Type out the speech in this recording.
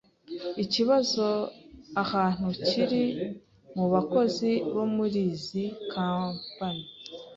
ikibazo ahantu kiri mu bakozi bo muri izi Company